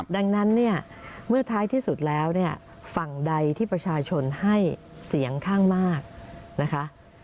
ดังนั้นเนี่ยเมื่อท้ายที่สุดแล้วเนี่ยฝั่งใดที่ประชาชนให้เสียงข้างมากนะคะ